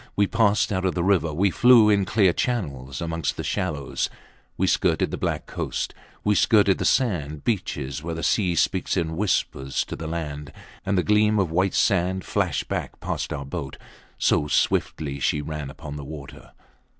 We passed out of the river; we flew in clear channels amongst the shallows. We skirted the black coast; we skirted the sand beaches where the sea speaks in whispers to the land; and the gleam of white sand flashed back past our boat, so swiftly she ran upon the water.